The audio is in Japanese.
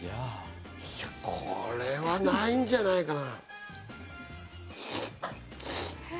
これはないんじゃないかな。